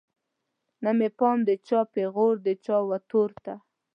نه مې پام د چا پیغور د چا وتور ته